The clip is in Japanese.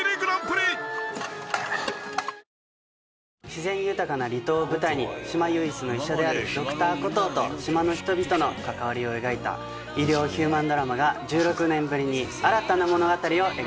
自然豊かな離島を舞台に島唯一の医者であるＤｒ．コトーと島の人々の関わりを描いた医療ヒューマンドラマが１６年ぶりに新たな物語を描きます。